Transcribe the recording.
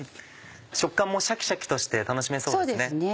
食感もシャキシャキとして楽しめそうですね。